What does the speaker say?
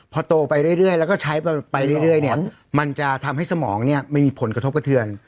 พอโตไปเรื่อยแล้วก็ใช้ไปเรื่อยเนี่ยมันจะทำให้สมองเนี่ยมันมีผลกระทบกระเทือน